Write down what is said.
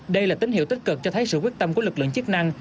đây là tín hiệu tích cực cho thấy sự quyết tâm của lực lượng chức năng